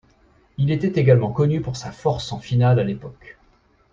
Il était également connu pour sa force en finale à l'époque.